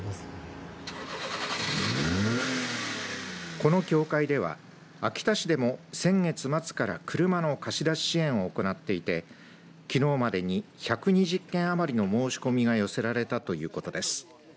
この協会では秋田市でも先月末から車の貸し出し支援を行っていてきのうまでに１２０件余りの申し込みが寄せられたということです。